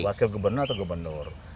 wakil gubernur atau gubernur